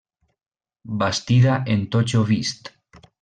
Bastida en totxo vist.